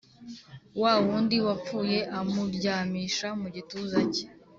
wa wundi wapfuye amuryamisha mu gituza cyanjye